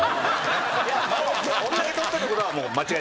こんだけ取ったってことはもう間違いなく。